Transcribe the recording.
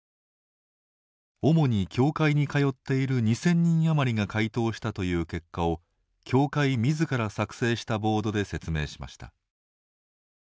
主に教会に通っている２０００人余りが回答したという結果を教会みずから作成したボードで説明しました。